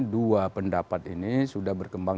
dua pendapat ini sudah berkembang